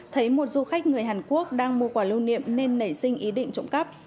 thấy một du khách người hàn quốc đang mua quà lưu niệm nên nảy sinh ý định trụng cấp